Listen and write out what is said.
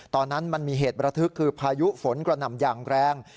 ตอนนั้นมันมีเหตุประทึกคือพายุฝนกระหน่ำอย่างแรง